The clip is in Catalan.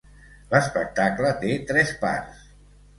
L'espectacle té tres parts.